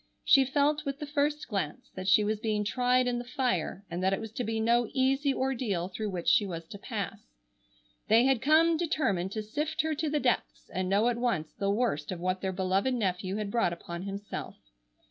She felt with the first glance that she was being tried in the fire, and that it was to be no easy ordeal through which she was to pass. They had come determined to sift her to the depths and know at once the worst of what their beloved nephew had brought upon himself.